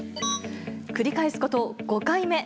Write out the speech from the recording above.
繰り返すこと５回目。